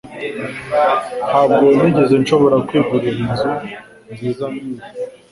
Ntabwo nigeze nshobora kwigurira inzu nziza nkiyi.